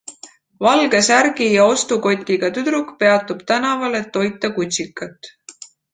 Valge särgiga ja ostukotiga tüdruk peatub tänaval, et toita kutsikat